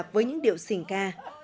với những điệu sỉnh ca